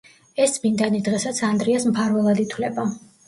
ეს წმინდანი დღესაც ანდრიას მფარველად ითვლება.